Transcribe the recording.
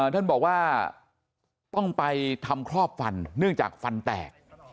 ท่านบอกว่าต้องไปทำครอบฟันเนื่องจากฟันแตก